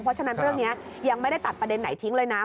เพราะฉะนั้นเรื่องนี้ยังไม่ได้ตัดประเด็นไหนทิ้งเลยนะ